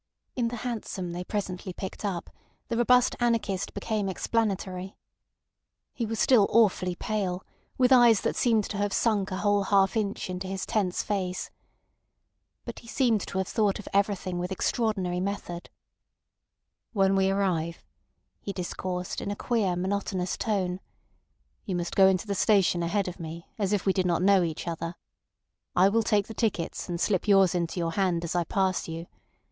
In the hansom they presently picked up, the robust anarchist became explanatory. He was still awfully pale, with eyes that seemed to have sunk a whole half inch into his tense face. But he seemed to have thought of everything with extraordinary method. "When we arrive," he discoursed in a queer, monotonous tone, "you must go into the station ahead of me, as if we did not know each other. I will take the tickets, and slip in yours into your hand as I pass you.